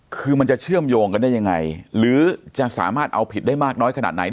คือมันจะเชื่อมโยงกันได้ยังไงหรือจะสามารถเอาผิดได้มากน้อยขนาดไหน